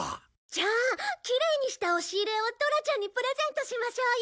じゃあきれいにした押し入れをドラちゃんにプレゼントしましょうよ。